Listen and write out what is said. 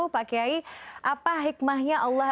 pak kiai apa hikmahnya allah